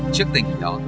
trước tình hình đó